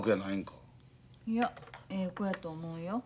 いやええ子やと思うよ。